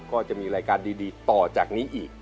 ก็จะมีรายการดีต่อจากนี้อีก